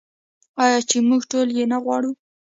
آیا چې موږ ټول یې نه غواړو؟